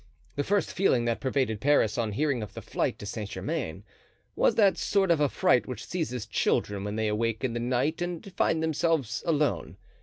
The first feeling that pervaded Paris on hearing of the flight to Saint Germain, was that sort of affright which seizes children when they awake in the night and find themselves alone.